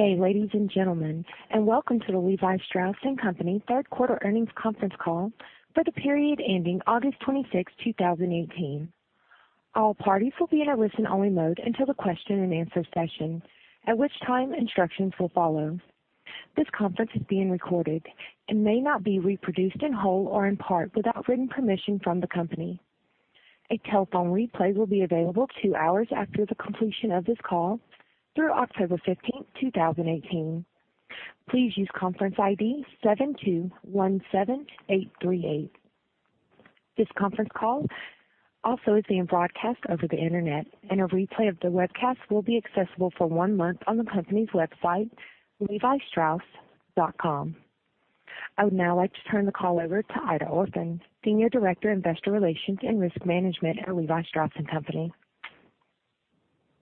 Good day, ladies and gentlemen, and welcome to the Levi Strauss & Co. third quarter earnings conference call for the period ending August 26, 2018. All parties will be in a listen-only mode until the question and answer session, at which time instructions will follow. This conference is being recorded and may not be reproduced in whole or in part without written permission from the company. A telephone replay will be available two hours after the completion of this call through October 15, 2018. Please use conference ID 7217838. This conference call also is being broadcast over the Internet, and a replay of the webcast will be accessible for one month on the company's website, levistrauss.com. I would now like to turn the call over to Aida Orphan, Senior Director, Investor Relations and Risk Management at Levi Strauss & Co.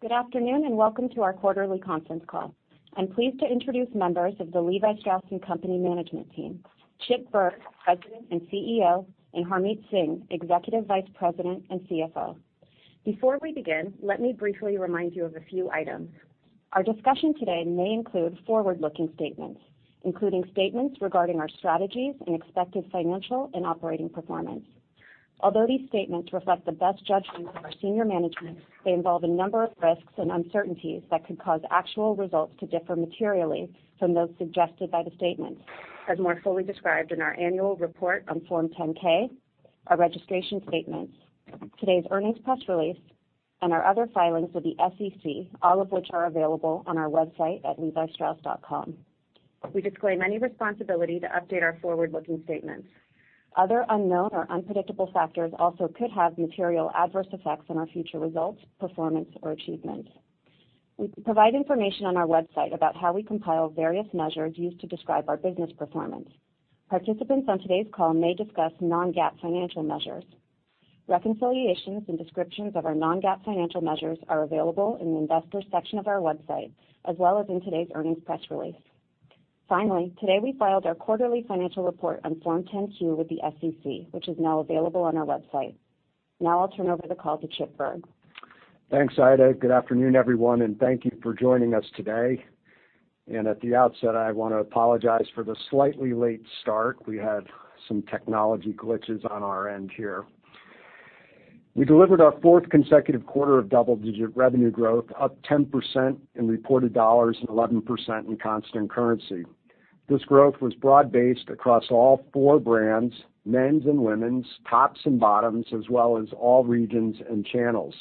Good afternoon, and welcome to our quarterly conference call. I am pleased to introduce members of the Levi Strauss & Co. management team, Chip Bergh, President and CEO, and Harmit Singh, Executive Vice President and CFO. Before we begin, let me briefly remind you of a few items. Our discussion today may include forward-looking statements, including statements regarding our strategies and expected financial and operating performance. Although these statements reflect the best judgments of our senior management, they involve a number of risks and uncertainties that could cause actual results to differ materially from those suggested by the statements as more fully described in our annual report on Form 10-K, our registration statements, today's earnings press release, and our other filings with the SEC, all of which are available on our website at levistrauss.com. We disclaim any responsibility to update our forward-looking statements. Other unknown or unpredictable factors also could have material adverse effects on our future results, performance, or achievements. We provide information on our website about how we compile various measures used to describe our business performance. Participants on today's call may discuss non-GAAP financial measures. Reconciliations and descriptions of our non-GAAP financial measures are available in the Investors section of our website, as well as in today's earnings press release. Finally, today we filed our quarterly financial report on Form 10-Q with the SEC, which is now available on our website. Now I will turn over the call to Chip Bergh. Thanks, Aida. Good afternoon, everyone, and thank you for joining us today. At the outset, I want to apologize for the slightly late start. We had some technology glitches on our end here. We delivered our fourth consecutive quarter of double-digit revenue growth, up 10% in reported dollars and 11% in constant currency. This growth was broad-based across all four brands, men's and women's, tops and bottoms, as well as all regions and channels.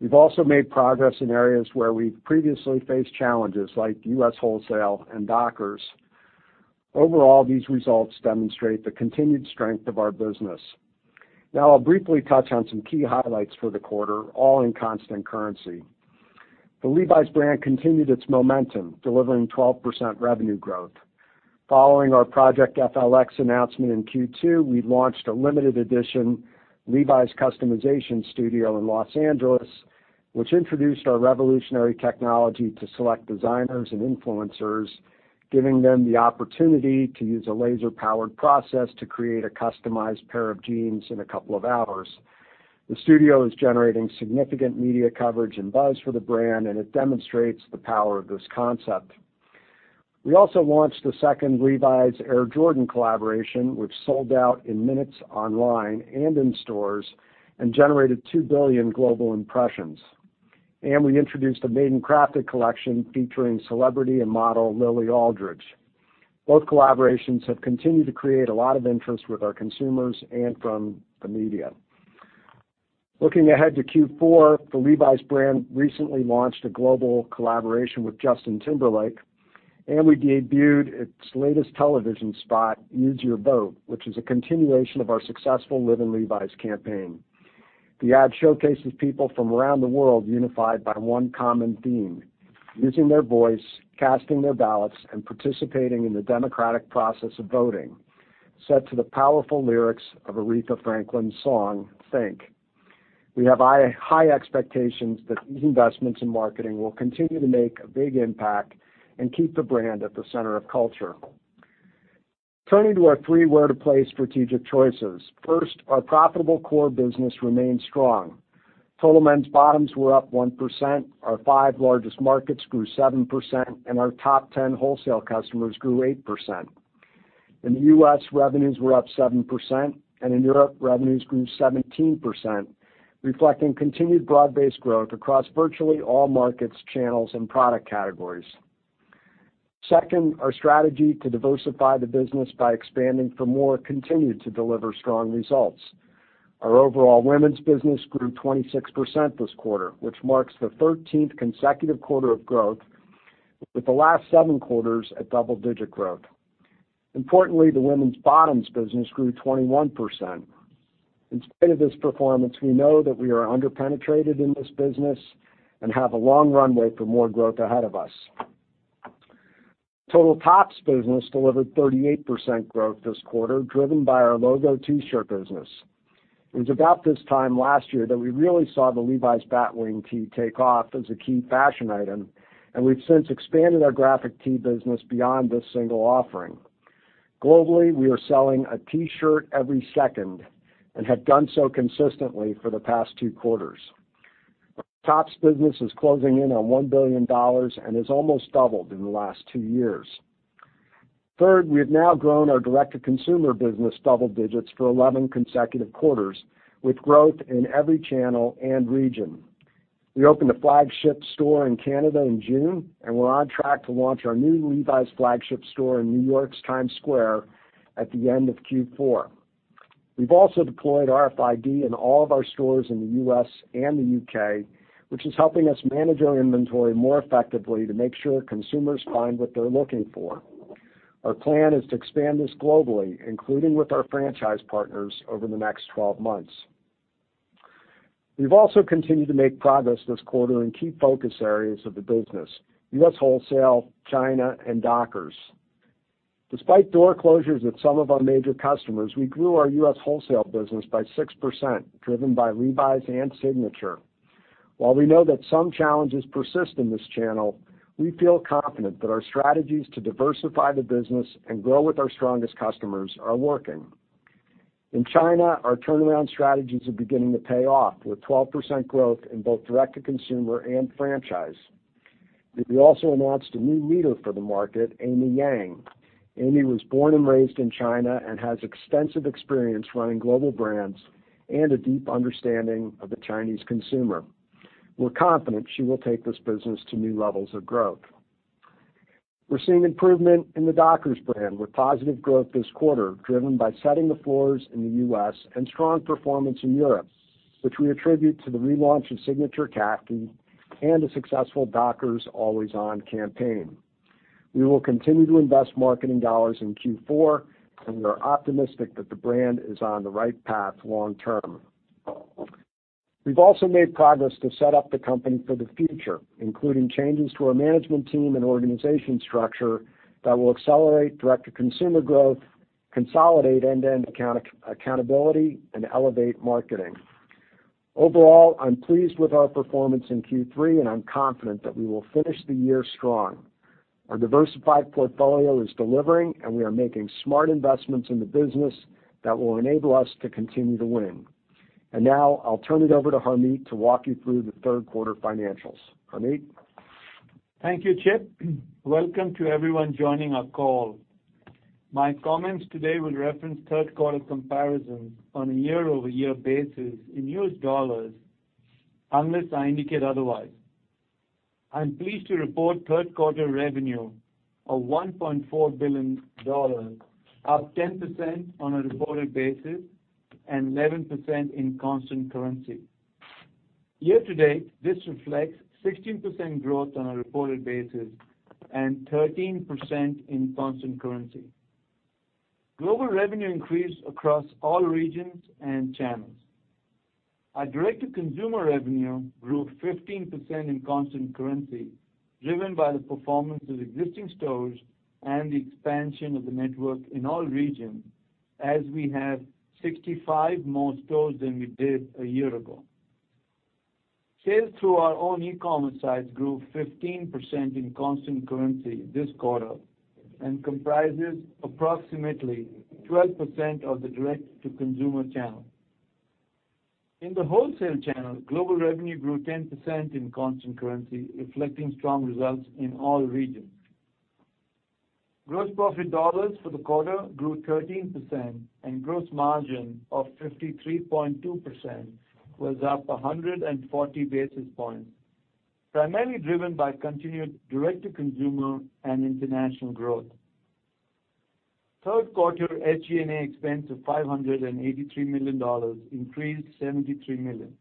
We have also made progress in areas where we have previously faced challenges, like U.S. wholesale and Dockers. Overall, these results demonstrate the continued strength of our business. Now I will briefly touch on some key highlights for the quarter, all in constant currency. The Levi's brand continued its momentum, delivering 12% revenue growth. Following our Project F.L.X. announcement in Q2, we launched a limited edition Levi's customization studio in Los Angeles, which introduced our revolutionary technology to select designers and influencers, giving them the opportunity to use a laser-powered process to create a customized pair of jeans in a couple of hours. The studio is generating significant media coverage and buzz for the brand, and it demonstrates the power of this concept. We also launched the second Levi's Air Jordan collaboration, which sold out in minutes online and in stores and generated 2 billion global impressions. We introduced a Made & Crafted collection featuring celebrity and model Lily Aldridge. Both collaborations have continued to create a lot of interest with our consumers and from the media. Looking ahead to Q4, the Levi's brand recently launched a global collaboration with Justin Timberlake. We debuted its latest television spot, Use Your Vote, which is a continuation of our successful Live in Levi's campaign. The ad showcases people from around the world unified by one common theme, using their voice, casting their ballots, and participating in the democratic process of voting, set to the powerful lyrics of Aretha Franklin's song, Think. We have high expectations that these investments in marketing will continue to make a big impact and keep the brand at the center of culture. Turning to our three where-to-place strategic choices. First, our profitable core business remains strong. Total men's bottoms were up 1%, our five largest markets grew 7%, and our top 10 wholesale customers grew 8%. In the U.S., revenues were up 7%. In Europe, revenues grew 17%, reflecting continued broad-based growth across virtually all markets, channels, and product categories. Second, our strategy to diversify the business by expanding for more continued to deliver strong results. Our overall women's business grew 26% this quarter, which marks the 13th consecutive quarter of growth, with the last seven quarters at double-digit growth. Importantly, the women's bottoms business grew 21%. In spite of this performance, we know that we are under-penetrated in this business and have a long runway for more growth ahead of us. Total tops business delivered 38% growth this quarter, driven by our logo T-shirt business. It was about this time last year that we really saw the Levi's Batwing tee take off as a key fashion item. We've since expanded our graphic tee business beyond this single offering. Globally, we are selling a T-shirt every second and have done so consistently for the past two quarters. Tops business is closing in on $1 billion and has almost doubled in the last two years. Third, we have now grown our direct-to-consumer business double digits for 11 consecutive quarters, with growth in every channel and region. We opened a flagship store in Canada in June, and we're on track to launch our new Levi's flagship store in New York's Times Square at the end of Q4. We've also deployed RFID in all of our stores in the U.S. and the U.K., which is helping us manage our inventory more effectively to make sure consumers find what they're looking for. Our plan is to expand this globally, including with our franchise partners, over the next 12 months. We've also continued to make progress this quarter in key focus areas of the business: U.S. wholesale, China, and Dockers. Despite door closures at some of our major customers, we grew our U.S. wholesale business by 6%, driven by Levi's and Signature. While we know that some challenges persist in this channel, we feel confident that our strategies to diversify the business and grow with our strongest customers are working. In China, our turnaround strategies are beginning to pay off, with 12% growth in both direct-to-consumer and franchise. We also announced a new leader for the market, Amy Yang. Amy was born and raised in China and has extensive experience running global brands and a deep understanding of the Chinese consumer. We're confident she will take this business to new levels of growth. We're seeing improvement in the Dockers brand with positive growth this quarter, driven by setting the floors in the U.S. and strong performance in Europe, which we attribute to the relaunch of Signature khaki and a successful Dockers Always On campaign. We will continue to invest marketing dollars in Q4. We are optimistic that the brand is on the right path long term. We've also made progress to set up the company for the future, including changes to our management team and organization structure that will accelerate direct-to-consumer growth, consolidate end-to-end accountability, and elevate marketing. Overall, I'm pleased with our performance in Q3. I'm confident that we will finish the year strong. Our diversified portfolio is delivering, and we are making smart investments in the business that will enable us to continue to win. Now I'll turn it over to Harmit to walk you through the third quarter financials. Harmit? Thank you, Chip. Welcome to everyone joining our call. My comments today will reference third quarter comparisons on a year-over-year basis in U.S. dollars, unless I indicate otherwise. I'm pleased to report third quarter revenue of $1.4 billion, up 10% on a reported basis and 11% in constant currency. Year to date, this reflects 16% growth on a reported basis and 13% in constant currency. Global revenue increased across all regions and channels. Our direct-to-consumer revenue grew 15% in constant currency, driven by the performance of existing stores and the expansion of the network in all regions as we have 65 more stores than we did a year ago. Sales through our own e-commerce sites grew 15% in constant currency this quarter and comprises approximately 12% of the direct-to-consumer channel. In the wholesale channel, global revenue grew 10% in constant currency, reflecting strong results in all regions. Gross profit dollars for the quarter grew 13%, and gross margin of 53.2% was up 140 basis points, primarily driven by continued direct-to-consumer and international growth. Third quarter SG&A expense of $583 million increased $73 million.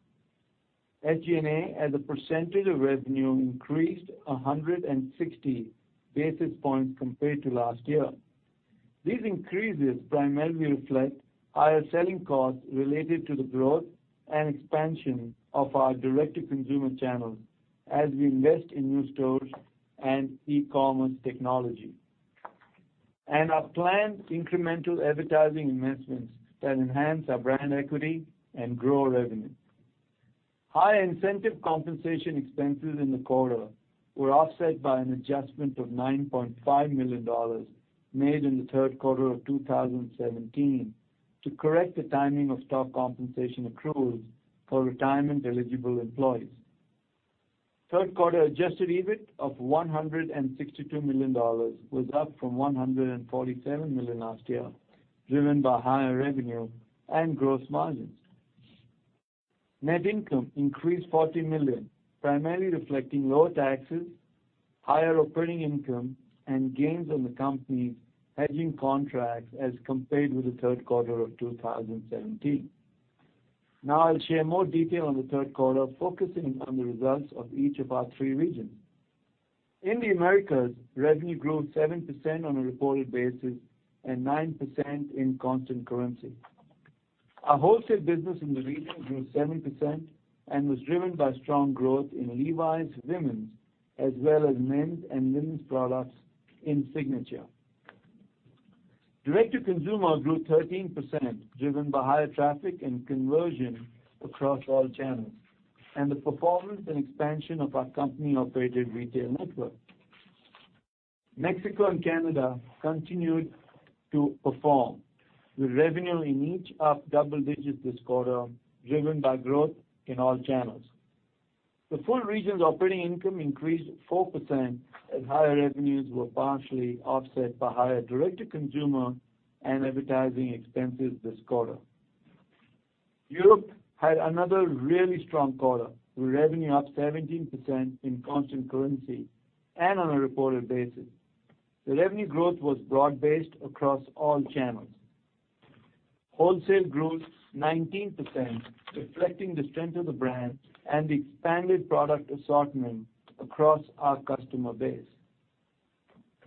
SG&A as a percentage of revenue increased 160 basis points compared to last year. These increases primarily reflect higher selling costs related to the growth and expansion of our direct-to-consumer channels as we invest in new stores and e-commerce technology. Our planned incremental advertising investments that enhance our brand equity and grow revenue. High incentive compensation expenses in the quarter were offset by an adjustment of $9.5 million made in the third quarter of 2017 to correct the timing of stock compensation accruals for retirement-eligible employees. Third quarter adjusted EBIT of $162 million was up from $147 million last year, driven by higher revenue and gross margins. Net income increased $40 million, primarily reflecting lower taxes, higher operating income, and gains on the company's hedging contracts as compared with the third quarter of 2017. Now I'll share more detail on the third quarter, focusing on the results of each of our three regions. In the Americas, revenue grew 7% on a reported basis and 9% in constant currency. Our wholesale business in the region grew 7% and was driven by strong growth in Levi's women's as well as men's and women's products in Signature. Direct-to-consumer grew 13%, driven by higher traffic and conversion across all channels and the performance and expansion of our company-operated retail network. Mexico and Canada continued to perform, with revenue in each up double digits this quarter, driven by growth in all channels. The full region's operating income increased 4%, as higher revenues were partially offset by higher direct-to-consumer and advertising expenses this quarter. Europe had another really strong quarter, with revenue up 17% in constant currency and on a reported basis. The revenue growth was broad-based across all channels. Wholesale grew 19%, reflecting the strength of the brand and the expanded product assortment across our customer base.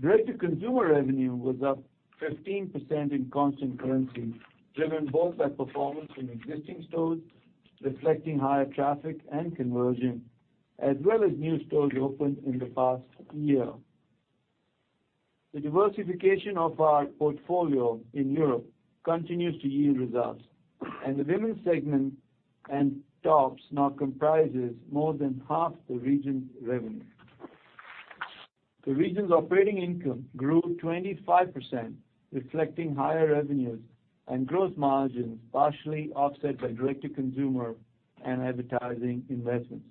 Direct-to-consumer revenue was up 15% in constant currency, driven both by performance from existing stores, reflecting higher traffic and conversion, as well as new stores opened in the past year. The diversification of our portfolio in Europe continues to yield results, and the women's segment and tops now comprises more than half the region's revenue. The region's operating income grew 25%, reflecting higher revenues and gross margins partially offset by direct-to-consumer and advertising investments.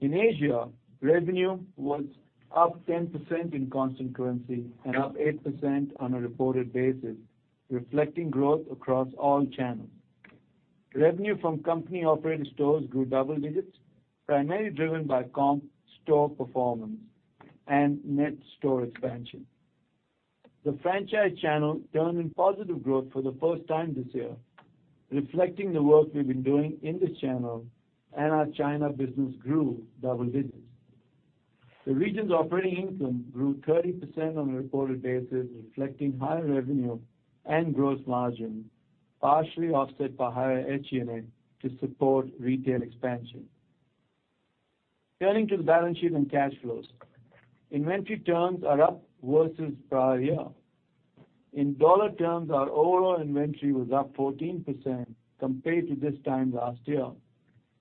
In Asia, revenue was up 10% in constant currency and up 8% on a reported basis, reflecting growth across all channels. Revenue from company-operated stores grew double digits, primarily driven by comp store performance and net store expansion. The franchise channel turned in positive growth for the first time this year, reflecting the work we've been doing in this channel, and our China business grew double digits. The region's operating income grew 30% on a reported basis, reflecting higher revenue and gross margin, partially offset by higher SG&A to support retail expansion. Turning to the balance sheet and cash flows. Inventory turns are up versus prior year. In dollar terms, our overall inventory was up 14% compared to this time last year,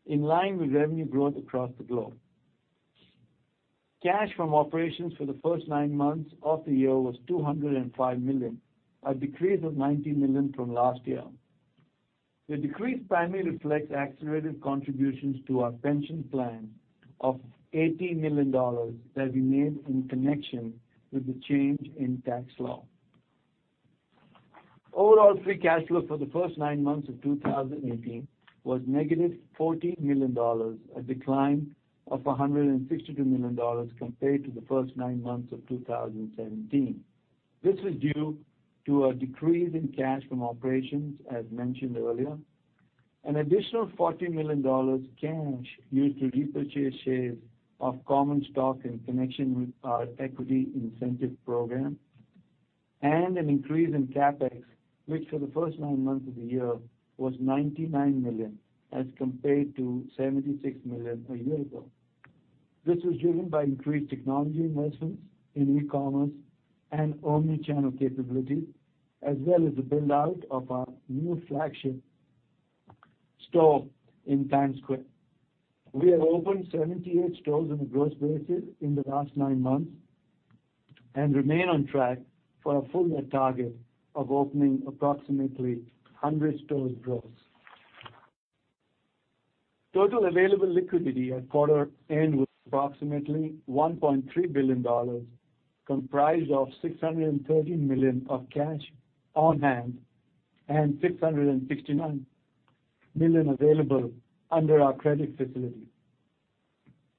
in line with revenue growth across the globe. Cash from operations for the first nine months of the year was $205 million, a decrease of $19 million from last year. The decrease primarily reflects accelerated contributions to our pension plan of $18 million that we made in connection with the change in tax law. Overall free cash flow for the first nine months of 2018 was negative $40 million, a decline of $162 million compared to the first nine months of 2017. This was due to a decrease in cash from operations, as mentioned earlier. Additional $40 million cash used to repurchase shares of common stock in connection with our equity incentive program, and an increase in CapEx, which for the first nine months of the year was $99 million as compared to $76 million a year ago. This was driven by increased technology investments in e-commerce and omni-channel capabilities, as well as the build-out of our new flagship store in Times Square. We have opened 78 stores on a gross basis in the last nine months and remain on track for our full-year target of opening approximately 100 stores gross. Total available liquidity at quarter end was approximately $1.3 billion, comprised of $613 million of cash on hand and $669 million available under our credit facility.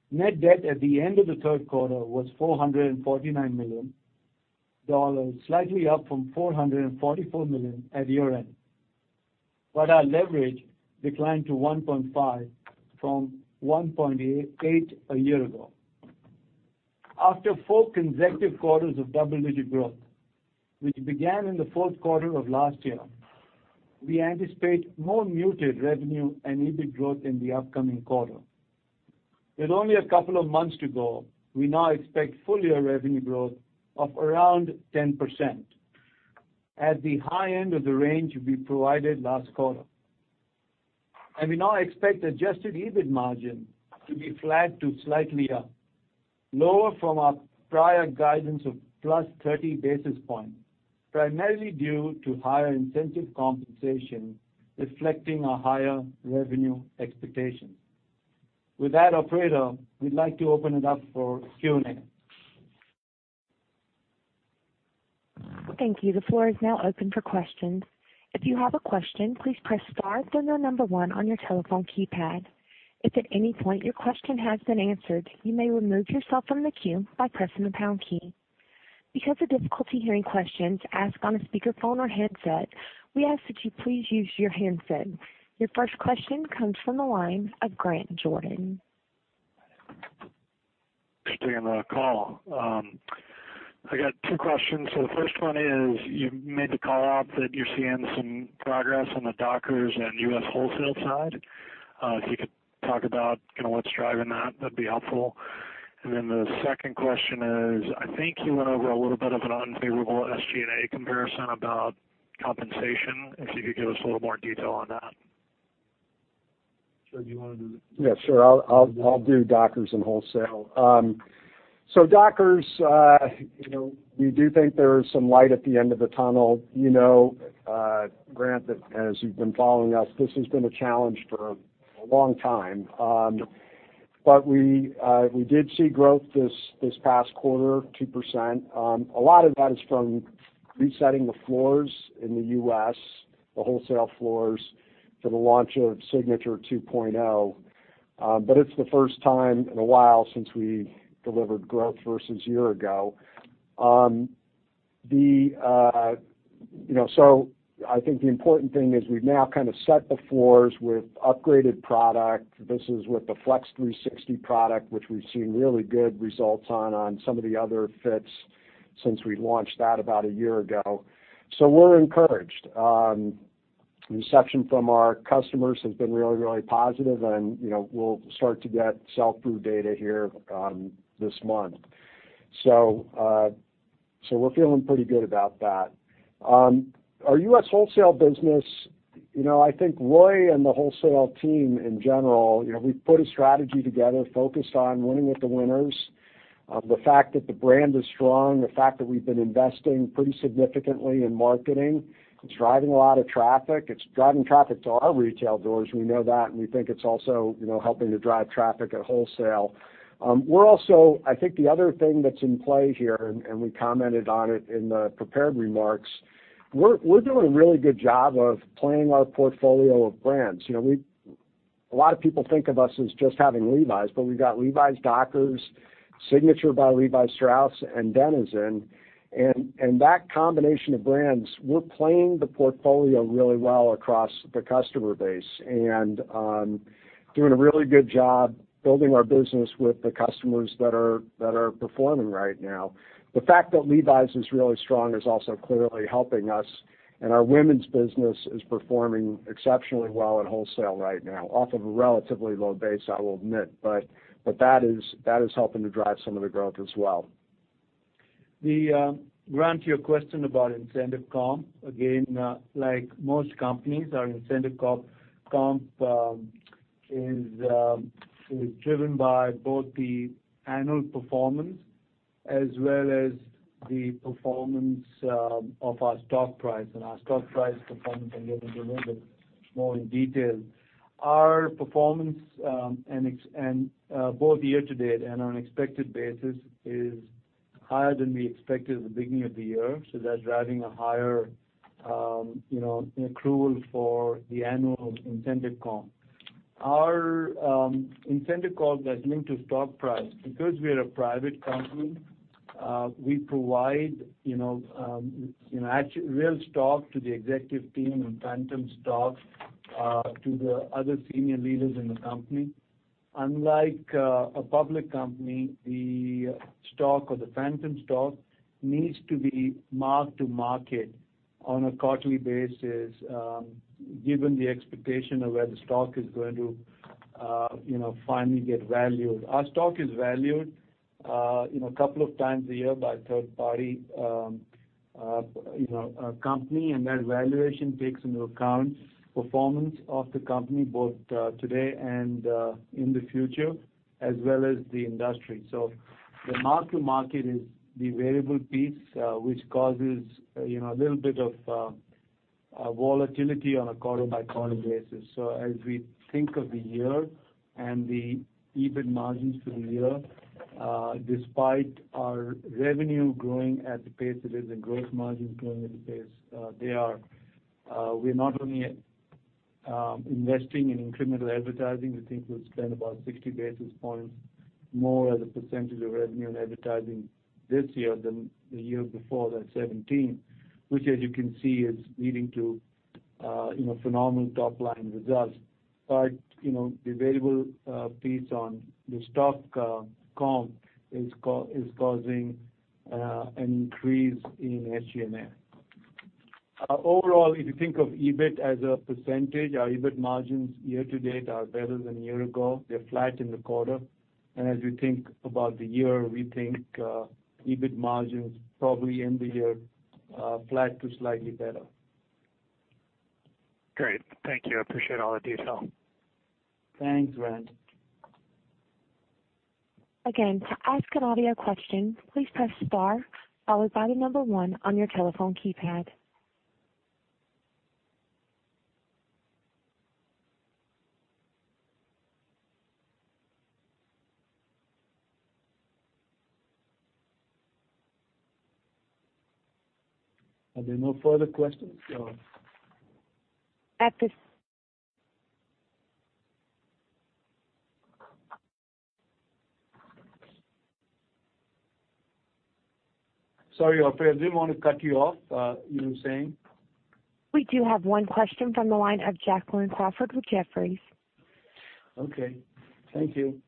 Net debt at the end of the third quarter was $449 million, slightly up from $444 million at year-end. Our leverage declined to 1.5 from 1.8 a year ago. After four consecutive quarters of double-digit growth, which began in the fourth quarter of last year, we anticipate more muted revenue and EBIT growth in the upcoming quarter. With only a couple of months to go, we now expect full-year revenue growth of around 10%, at the high end of the range we provided last quarter. We now expect adjusted EBIT margin to be flat to slightly up, lower from our prior guidance of plus 30 basis points, primarily due to higher incentive compensation reflecting our higher revenue expectations. With that, operator, we'd like to open it up for Q&A. Thank you. The floor is now open for questions. If you have a question, please press star followed by the number 1 on your telephone keypad. If at any point your question has been answered, you may remove yourself from the queue by pressing the pound key. Because of difficulty hearing questions asked on a speakerphone or headset, we ask that you please use your handset. Your first question comes from the line of Grant Jordan. Thanks for taking the call. I got two questions. The first one is, you made the call out that you're seeing some progress on the Dockers and U.S. wholesale side. If you could talk about what's driving that'd be helpful. The second question is, I think you went over a little bit of an unfavorable SG&A comparison about compensation. If you could give us a little more detail on that. Sure. Do you want to do that? Yeah, sure. I'll do Dockers and wholesale. Dockers, we do think there is some light at the end of the tunnel. Grant, as you've been following us, this has been a challenge for a long time. We did see growth this past quarter, 2%. A lot of that is from resetting the floors in the U.S., the wholesale floors for the launch of Signature 2.0. It's the first time in a while since we delivered growth versus year ago. I think the important thing is we've now set the floors with upgraded product. This is with the Flex 360 product, which we've seen really good results on some of the other fits since we launched that about a year ago. We're encouraged. Reception from our customers has been really, really positive, and we'll start to get sell-through data here this month. We're feeling pretty good about that. Our U.S. wholesale business, I think Roy and the wholesale team in general, we've put a strategy together focused on winning with the winners. The fact that the brand is strong, the fact that we've been investing pretty significantly in marketing. It's driving a lot of traffic. It's driving traffic to our retail doors, we know that, and we think it's also helping to drive traffic at wholesale. I think the other thing that's in play here, and we commented on it in the prepared remarks, we're doing a really good job of playing our portfolio of brands. A lot of people think of us as just having Levi's, but we've got Levi's, Dockers, Signature by Levi Strauss, and Denizen. That combination of brands, we're playing the portfolio really well across the customer base and doing a really good job building our business with the customers that are performing right now. The fact that Levi's is really strong is also clearly helping us, and our women's business is performing exceptionally well at wholesale right now, off of a relatively low base, I will admit. That is helping to drive some of the growth as well. Grant, to your question about incentive comp, again, like most companies, our incentive comp is driven by both the annual performance as well as the performance of our stock price. Our stock price performance, I can get into a little bit more in detail. Our performance both year to date and on an expected basis is higher than we expected at the beginning of the year. That's driving a higher accrual for the annual incentive comp. Our incentive comp that's linked to stock price, because we're a private company, we provide real stock to the executive team and phantom stock to the other senior leaders in the company. Unlike a public company, the stock or the phantom stock needs to be marked to market on a quarterly basis given the expectation of where the stock is going to finally get valued. Our stock is valued a couple of times a year by a third party company, That valuation takes into account performance of the company both today and in the future, as well as the industry. The mark to market is the variable piece, which causes a little bit of volatility on a quarter-by-quarter basis. As we think of the year and the EBIT margins for the year, despite our revenue growing at the pace it is and gross margins growing at the pace they are, we're not only investing in incremental advertising. We think we'll spend about 60 basis points more as a percentage of revenue in advertising this year than the year before, that's 2017, which as you can see, is leading to phenomenal top-line results. The variable piece on the stock comp is causing an increase in SG&A. Overall, if you think of EBIT as a percentage, our EBIT margins year to date are better than a year ago. They're flat in the quarter. As we think about the year, we think EBIT margin's probably end of year flat to slightly better. Great. Thank you. I appreciate all the detail. Thanks, Grant. Again, to ask an audio question, please press star followed by the number one on your telephone keypad. Are there no further questions? At this- Sorry, operator. I didn't want to cut you off. You were saying? We do have one question from the line of Jacqueline Crawford with Jefferies. Okay. Thank you.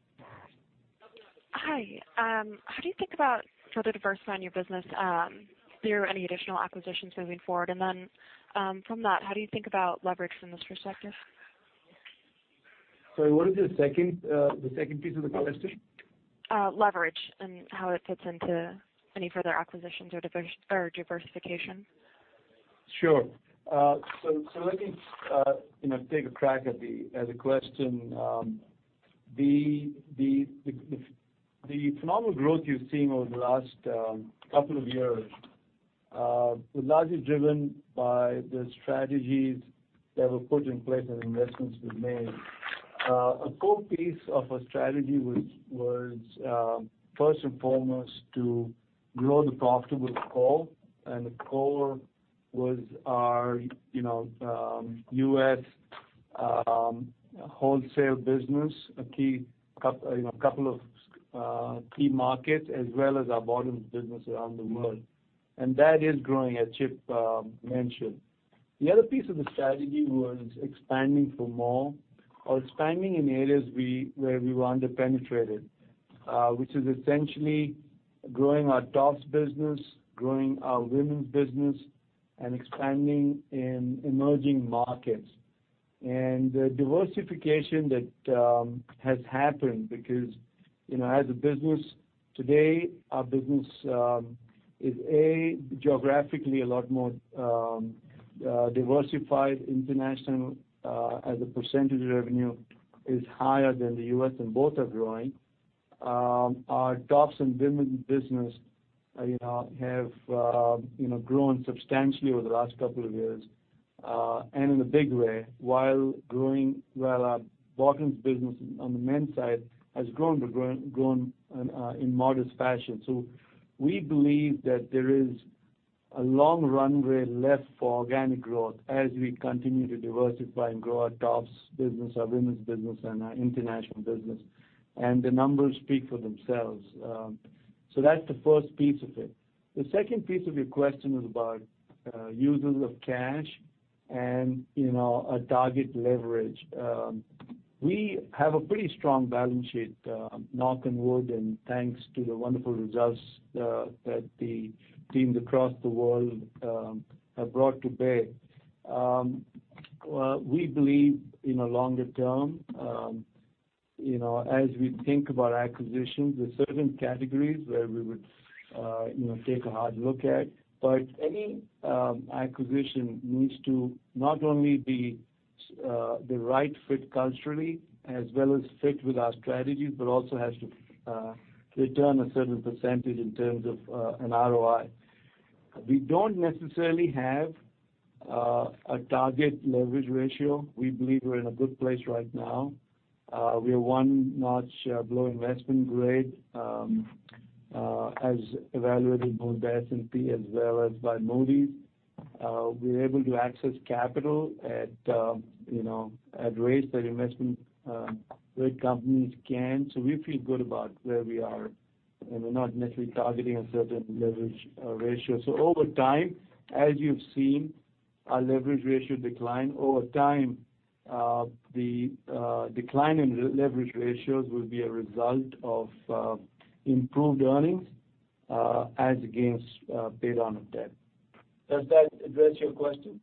Hi. How do you think about further diversifying your business through any additional acquisitions moving forward? From that, how do you think about leverage from this perspective? Sorry, what was the second piece of the question? Leverage and how it fits into any further acquisitions or diversification. Sure. Let me take a crack at the question. The phenomenal growth you've seen over the last couple of years was largely driven by the strategies that were put in place as investments were made. A core piece of our strategy was, first and foremost, to grow the profitable core, and the core was our U.S. wholesale business, a couple of key markets, as well as our bottoms business around the world. That is growing, as Chip mentioned. The other piece of the strategy was expanding for more or expanding in areas where we were under-penetrated, which is essentially growing our tops business, growing our women's business, and expanding in emerging markets. The diversification that has happened, because as a business today, our business is, A, geographically a lot more diversified international as a percentage of revenue is higher than the U.S., and both are growing. Our tops and women's business have grown substantially over the last couple of years, in a big way, while our bottoms business on the men's side has grown, but grown in modest fashion. We believe that there is a long runway left for organic growth as we continue to diversify and grow our tops business, our women's business, and our international business. The numbers speak for themselves. That's the first piece of it. The second piece of your question is about uses of cash and a target leverage. We have a pretty strong balance sheet, knock on wood, and thanks to the wonderful results that the teams across the world have brought to bear. We believe in a longer term as we think about acquisitions, there are certain categories where we would take a hard look at. Any acquisition needs to not only be the right fit culturally as well as fit with our strategy, but also has to return a certain percentage in terms of an ROI. We don't necessarily have a target leverage ratio. We believe we're in a good place right now. We are one notch below investment grade as evaluated both by S&P as well as by Moody's. We're able to access capital at rates that investment grade companies can. We feel good about where we are, and we're not necessarily targeting a certain leverage ratio. Over time, as you've seen our leverage ratio decline, over time, the decline in leverage ratios will be a result of improved earnings as against pay down of debt. Does that address your question?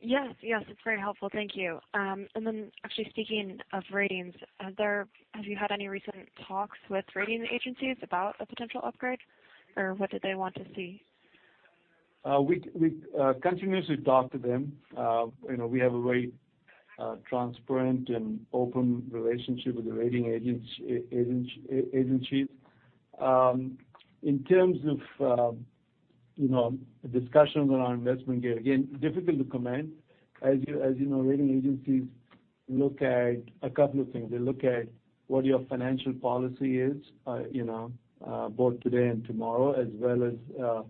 Yes. It's very helpful. Thank you. Actually, speaking of ratings, have you had any recent talks with rating agencies about a potential upgrade, or what did they want to see? We continuously talk to them. We have a very transparent and open relationship with the rating agencies. In terms of discussions around investment grade, again, difficult to comment. You know, rating agencies look at a couple of things. They look at what your financial policy is both today and tomorrow, as well as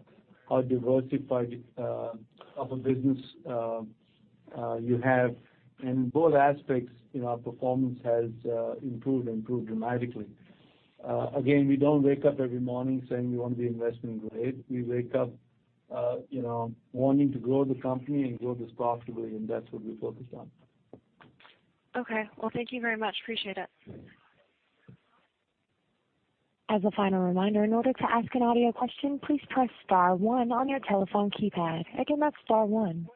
how diversified of a business you have. In both aspects, our performance has improved and improved dramatically. Again, we don't wake up every morning saying we want to be investment grade. We wake up wanting to grow the company and grow this profitably, and that's what we're focused on. Okay. Well, thank you very much. Appreciate it. As a final reminder, in order to ask an audio question, please press star one on your telephone keypad. Again, that's star one.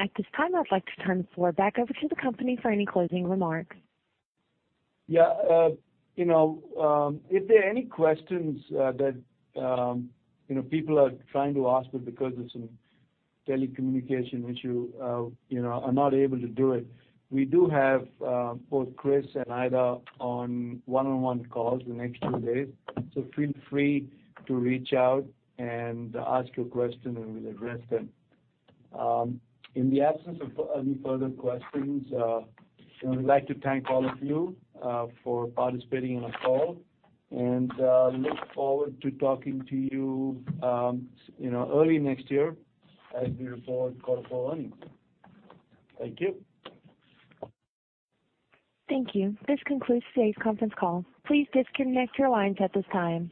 At this time, I'd like to turn the floor back over to the company for any closing remarks. Yeah. If there are any questions that people are trying to ask, but because of some telecommunication issue are not able to do it, we do have both Chris and Aida on one-on-one calls the next two days. Feel free to reach out and ask your question, and we'll address them. In the absence of any further questions, we'd like to thank all of you for participating in our call and look forward to talking to you early next year as we report quarter four earnings. Thank you. Thank you. This concludes today's conference call. Please disconnect your lines at this time.